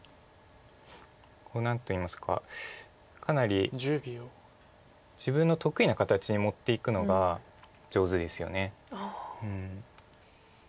何といいますかかなり自分の得意な形に持っていくのが上手ですよね。